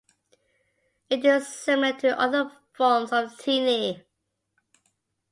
It is similar to other forms of tinea.